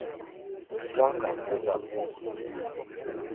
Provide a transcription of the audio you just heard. Ti cham ka n-ti da buku.